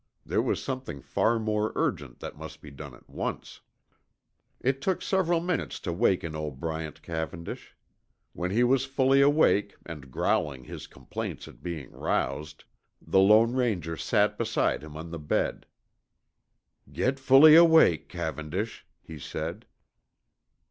There was something far more urgent that must be done at once. It took several minutes to waken old Bryant Cavendish. When he was fully awake and growling his complaints at being roused, the Lone Ranger sat beside him on the bed. "Get fully awake, Cavendish," he said.